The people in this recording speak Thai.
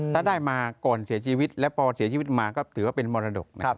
ถ้าได้มาก่อนเสียชีวิตแล้วพอเสียชีวิตมาก็ถือว่าเป็นมรดกนะครับ